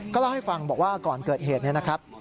เล่าให้ฟังบอกว่าก่อนเกิดเหตุเนี่ยนะครับ